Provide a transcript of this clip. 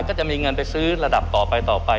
ก็จะมีเงินไปซื้อระดับต่อไปต่อไป